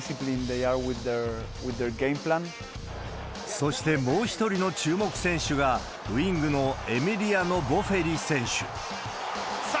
そして、もう１人の注目選手が、ウイングのエミリアノ・ボフェリ選手。